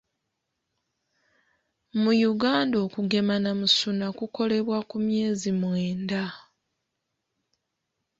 Mu Uganda okugema namusuna kukolebwa ku myezi mwenda.